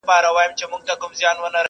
په تعویذ کي یو عجب خط وو لیکلی,